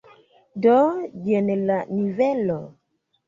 Do jen la nivelo.